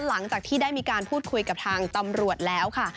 หลังจากที่ได้มีการพูดคุยกับทางตำรวจแล้วค่ะ